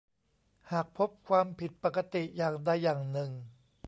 หากพบความผิดปกติอย่างใดอย่างหนึ่ง